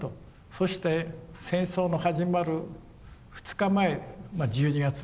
そして戦争の始まる２日前１２月６日ですね。